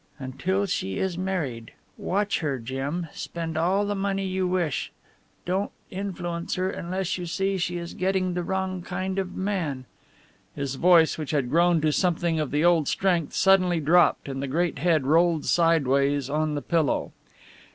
"Until she is married. Watch her, Jim, spend all the money you wish don't influence her unless you see she is getting the wrong kind of man...." His voice, which had grown to something of the old strength, suddenly dropped and the great head rolled sideways on the pillow.